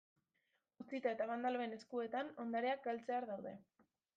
Utzita eta bandaloen eskuetan, ondareak galtzear daude.